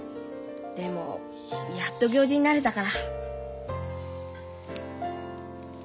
でもやっと行司になれたから。